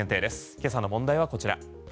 今朝の問題はこちら。